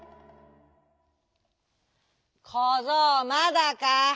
「こぞうまだか？」。